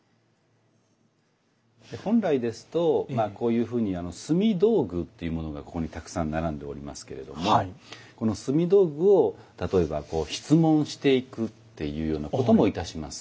本来ですとまあこういうふうに炭道具というものがここにたくさん並んでおりますけれどもこの炭道具を例えばこう質問していくっていうようなこともいたします。